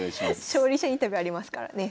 勝利者インタビューありますからね。